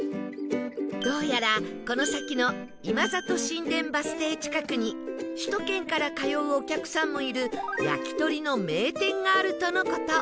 どうやらこの先の今里新田バス停近くに首都圏から通うお客さんもいる焼き鳥の名店があるとの事